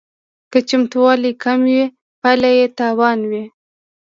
که چمتووالی کم وي پایله یې تاوان وي